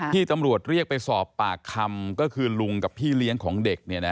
ที่ตำรวจเรียกไปสอบปากคำก็คือลุงกับพี่เลี้ยงของเด็ก